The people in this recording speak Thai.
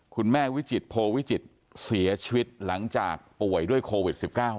คุณแม่วิจิตโพวิจิตเสียชีวิตหลังจากป่วยด้วยโควิดสิบเก้า